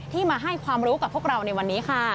มาให้ความรู้กับพวกเราในวันนี้ค่ะ